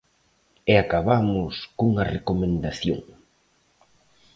E acabamos cunha recomendación.